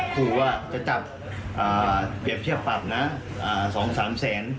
ขู่ว่าจะจับเปรียบเทียบปรับนะ๒๓แสน